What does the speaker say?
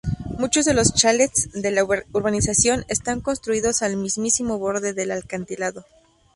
Muchos de los chalets de la urbanización, están construidos al mismísimo borde del acantilado.